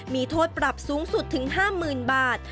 มีโทษปรับสูงสุดถึง๕๐๐๐บาท